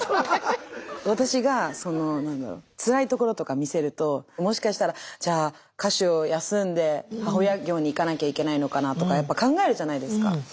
私がつらいところとか見せるともしかしたらじゃあ歌手を休んで母親業にいかなきゃいけないのかなとかやっぱ考えるじゃないですか。